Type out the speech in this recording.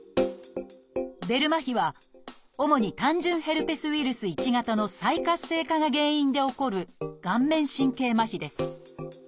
「ベル麻痺」は主に単純ヘルペスウイルス１型の再活性化が原因で起こる顔面神経麻痺です。